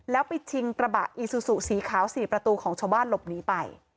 แล้วไปชิงกระบะอีซูซูสีขาว๔ประตูของชาวบ้านหลบหนีไป